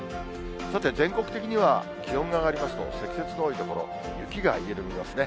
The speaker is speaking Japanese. さて、全国的には気温が上がりますと、積雪の多い所、雪が緩みますね。